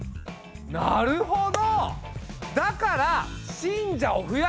あなるほど。